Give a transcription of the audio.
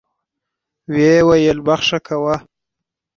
ويې ويل بخښه کوه.